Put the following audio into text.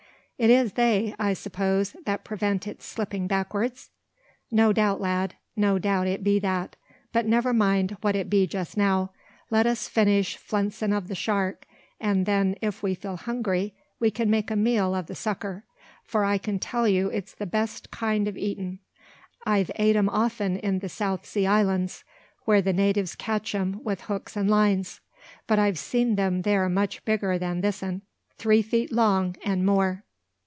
It is they, I suppose, that prevent its slipping backwards?" "No doubt, lad, no doubt it be that. But never mind what it be just now. Let us finish flensin' o' the shark; and then if we feel hungry we can make a meal o' the sucker, for I can tell you it's the best kind o' eatin'. I've ate 'em often in the South Sea Islands, where the natives catch 'em with hooks and lines; but I've seen them there much bigger than this 'un, three feet long, and more."